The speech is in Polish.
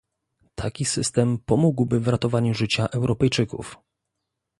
Taki system pomógłby w ratowaniu życia Europejczyków